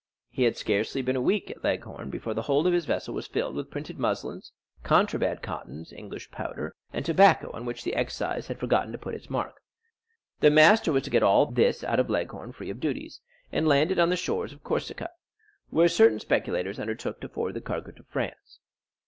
He had scarcely been a week at Leghorn before the hold of his vessel was filled with printed muslins, contraband cottons, English powder, and tobacco on which the excise had forgotten to put its mark. The master was to get all this out of Leghorn free of duties, and land it on the shores of Corsica, where certain speculators undertook to forward the cargo to France.